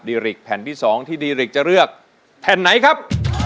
ริกแผ่นที่๒ที่ดีริกจะเลือกแผ่นไหนครับ